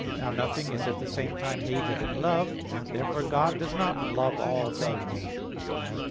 Now nothing is at the same time hated and loved. Therefore God does not love all things.